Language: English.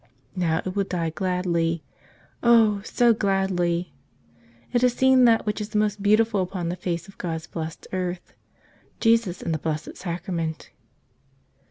Now it will die gladly — oh, so gladly! It has seen that which is the most beautiful upon the face of God's blessed earth — Jesus in the Blessed Sacra¬ ment.